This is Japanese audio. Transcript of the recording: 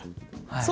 はい。